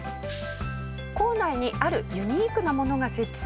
構内にあるユニークなものが設置されました。